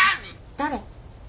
誰？